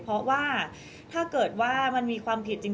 เพราะว่าถ้าเกิดว่ามันมีความผิดจริง